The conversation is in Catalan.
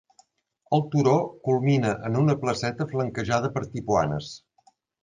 El turó culmina en una placeta flanquejada per tipuanes.